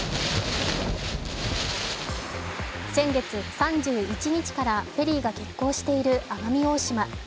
先月３１日からフェリーが欠航している奄美大島。